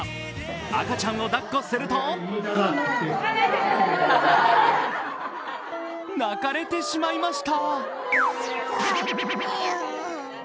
赤ちゃんをだっこすると泣かれてしまいました。